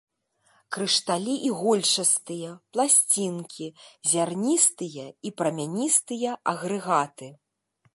Крышталі ігольчастыя, пласцінкі, зярністыя і прамяністыя агрэгаты.